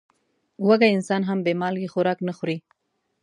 وږی انسان هم بې مالګې خوراک نه خوري.